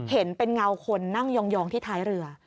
เห็นเป็นเงาคนนั่งยองที่ท้ายเรือ